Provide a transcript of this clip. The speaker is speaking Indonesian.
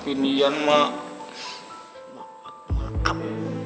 apa binian mak